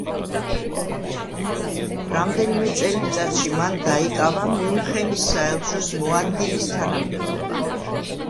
რამდენიმე წელიწადში მან დაიკავა მიუნხენის საელჩოს მოადგილის თანამდებობა.